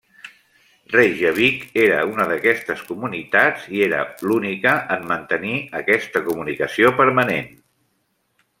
Reykjavík era una d'aquestes comunitats i era l'única en mantenir aquesta comunicació permanentment.